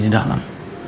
adi di dalam